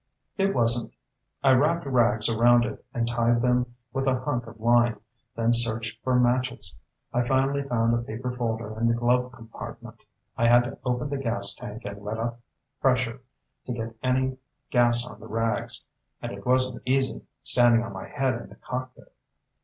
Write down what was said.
"It wasn't. I wrapped rags around it and tied them with a hunk of line, then searched for matches. I finally found a paper folder in the glove compartment. I had to open the gas tank and let out pressure to get any gas on the rags, and it wasn't easy, standing on my head in the cockpit.